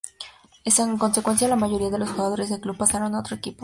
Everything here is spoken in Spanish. En consecuencia, la mayoría de los jugadores del club pasaron a otros equipos.